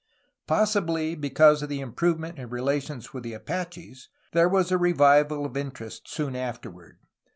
Possibly because of the improvement in relations with the Apaches, there was a revival of interest soon afterward.